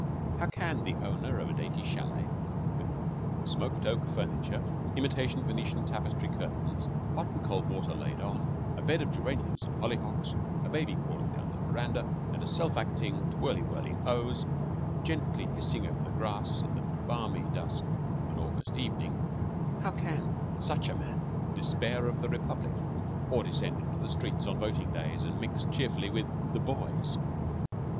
How can the owner of a dainty chalet, with smoked oak furniture, imitation Venetian tapestry curtains, hot and cold water laid on, a bed of geraniums and hollyhocks, a baby crawling down the veranda, and a self acting twirly whirly hose gently hissing over the grass in the balmy dusk of an August evening how can such a man despair of the Republic, or descend into the streets on voting days and mix cheerfully with "the boys"?